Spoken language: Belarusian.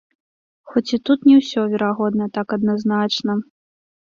Хоць і тут не ўсё, верагодна, так адназначна.